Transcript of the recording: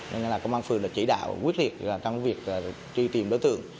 nên là công an phường đã chỉ đạo quyết liệt trong việc truy tìm đối tượng